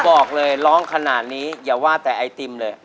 บอกเลยร้องขนาดนี้อย่าว่าแต่ไอติมเลย